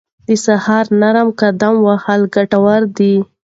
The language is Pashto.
د سهار نرم قدم وهل ګټور دي.